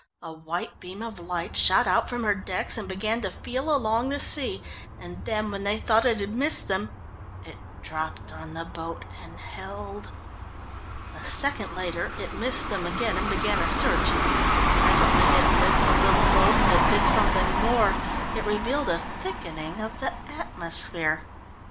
A white beam of light shot out from her decks, and began to feel along the sea. And then when they thought it had missed them, it dropped on the boat and held. A second later it missed them and began a search. Presently it lit the little boat, and it did something more it revealed a thickening of the atmosphere.